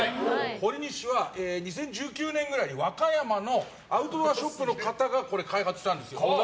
ほりにしは２０１９年ぐらい和歌山のアウトドアショップの方が開発したんですよ。